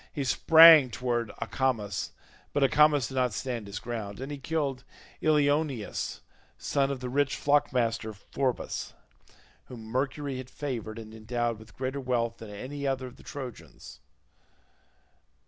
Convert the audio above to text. He sprang towards Acamas, but Acamas did not stand his ground, and he killed Ilioneus son of the rich flock master Phorbas, whom Mercury had favoured and endowed with greater wealth than any other of the Trojans.